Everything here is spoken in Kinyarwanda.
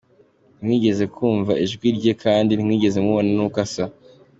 Ntimwigeze kumva ijwi rye kandi ntimwigeze mubona n’uko asa.